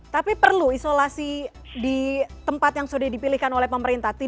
tapi perlu isolasi di tempat yang sudah dipilihkan oleh pemerintah